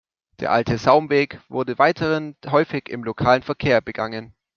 Der alte Saumweg wurde weiterhin häufig im lokalen Verkehr begangen.